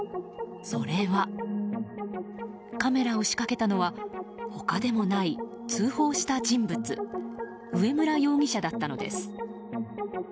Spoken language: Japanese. それは、カメラを仕掛けたのは他でもない、通報した人物上村容疑者だったのです。